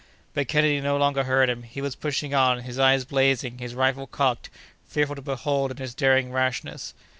But Kennedy no longer heard him; he was pushing on, his eye blazing; his rifle cocked; fearful to behold in his daring rashness.